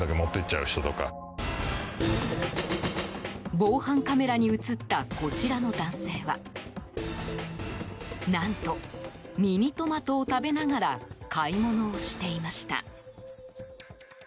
防犯カメラに映ったこちらの男性は何と、ミニトマトを食べながら買い物をしました。